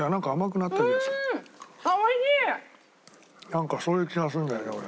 なんかそういう気がするんだよね俺。